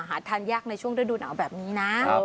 หาทานยากในช่วงฤดูหนาวแบบนี้นะ